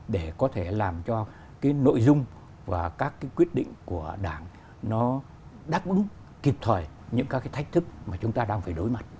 để có thể làm cho cái nội dung và các cái quyết định của đảng nó đáp đúng kịp thời những các cái thách thức mà chúng ta đang phải đối mặt